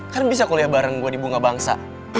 kan bisa kuliah bareng gue di bunga bangsa